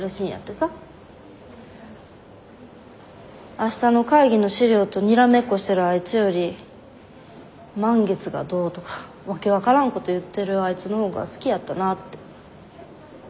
明日の会議の資料とにらめっこしてるあいつより満月がどうとか訳分からんこと言ってるあいつのほうが好きやったなぁって。